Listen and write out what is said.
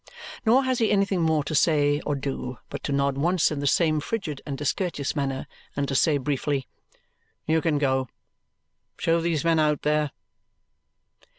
Nor has he anything more to say or do but to nod once in the same frigid and discourteous manner and to say briefly, "You can go. Show these men out, there!"